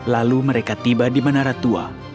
lalu mereka tiba di menara tua